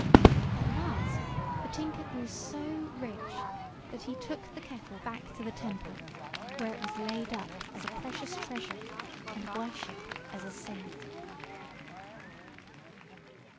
At last the tinker grew so rich that he took the kettle back to the temple, where it was laid up as a precious treasure, and worshiped as a saint.